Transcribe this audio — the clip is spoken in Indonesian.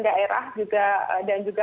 daerah dan juga